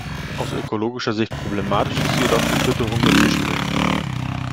Aus ökologischer Sicht problematisch ist jedoch die Fütterung mit Fischmehl.